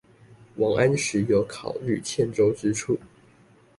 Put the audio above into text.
王安石有考慮欠周之處